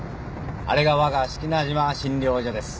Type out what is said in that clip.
あれが我が志木那島診療所です。